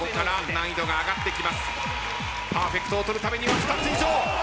パーフェクトを取るためには２つ以上。